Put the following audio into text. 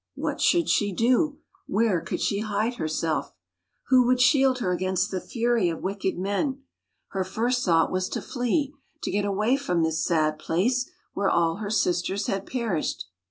What should she do? Where could she hide herself? 4 THE LAST OF THE FAIRIES H3 Who would shield her against the fury of wicked men ? Her first thought was to flee, to get away from this sad place where all her sisters had perished.